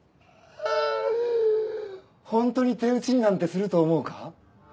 ホントに手打ちになんてすると思うか？